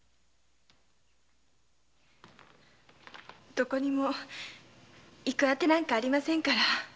どこにも行くあてなんかありませんから。